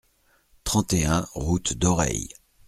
trente et un route d'Aureil